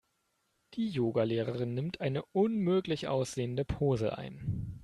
Die Yoga-Lehrerin nimmt eine unmöglich aussehende Pose ein.